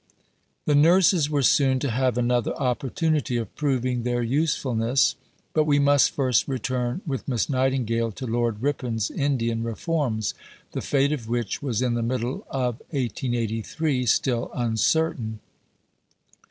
VII The nurses were soon to have another opportunity of proving their usefulness; but we must first return, with Miss Nightingale, to Lord Ripon's Indian reforms, the fate of which was in the middle of 1883 still uncertain.